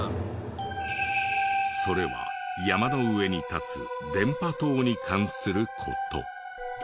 それは山の上に立つ電波塔に関する事。